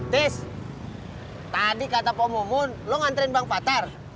tis tadi kata poh momun lu nganterin bang fathar